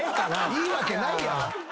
いいわけないやろ。